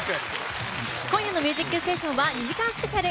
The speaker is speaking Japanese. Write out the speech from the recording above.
今夜の「ミュージックステーション」は２時間スペシャル。